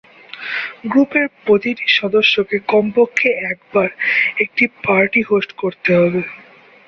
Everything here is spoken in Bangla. গ্রুপের প্রতিটি সদস্যকে কমপক্ষে একবার একটি পার্টি হোস্ট করতে হবে।